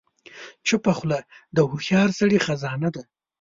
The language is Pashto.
چپه خوله، د هوښیار سړي خزانه ده.